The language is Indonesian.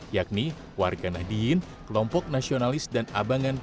yakni warga nahdiyin kelompok nasionalis dan abangan